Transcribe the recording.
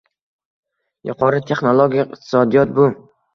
Yuqori texnologik iqtisodiyot bu